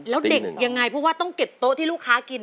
แล้วเด็กยังไงเพราะว่าต้องเก็บโต๊ะที่ลูกค้ากิน